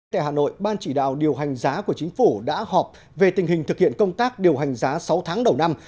tại hà nội ban chỉ đạo điều hành giá của chính phủ đã họp về tình hình thực hiện công tác điều hành giá sáu tháng đầu năm